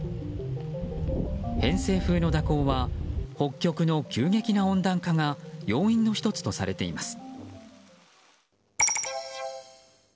偏西風の蛇行は北極の急激な温暖化が要因の１つとされています。